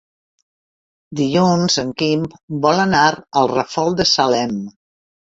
Dilluns en Quim vol anar al Ràfol de Salem.